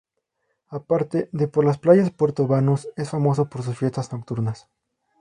Aparte de por las playas, Puerto Banús es famoso por sus fiestas nocturnas.